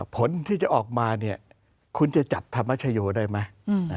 ผลที่จะออกมาเนี่ยคุณจะจับธรรมชโยได้ไหม